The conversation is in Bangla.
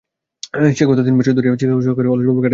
সে গত তিন বৎসর ধরিয়া চিকাগো শহরে অলসভাবে কাটাইতেছে।